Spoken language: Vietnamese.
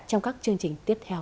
trong các chương trình tiếp theo